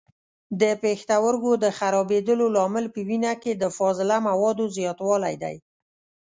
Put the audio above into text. د پښتورګو د خرابېدلو لامل په وینه کې د فاضله موادو زیاتولی دی.